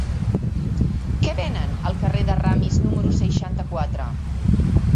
Què venen al carrer de Ramis número seixanta-quatre?